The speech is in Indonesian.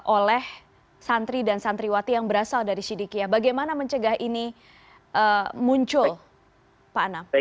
oleh santri dan santriwati yang berasal dari sidikiyah bagaimana mencegah ini muncul pak anam